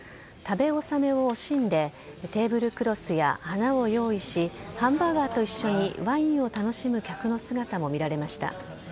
食べ納めを惜しんで、テーブルクロスや花を用意し、ハンバーガーと一緒にワインを楽しむ客の姿も見られました。